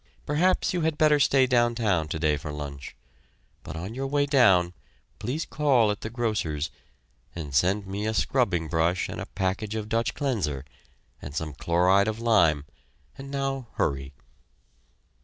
Perhaps you had better stay downtown today for lunch. But on your way down please call at the grocer's, and send me a scrubbing brush and a package of Dutch Cleanser, and some chloride of lime, and now hurry."